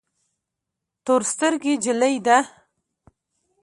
تور سترګي جلی ده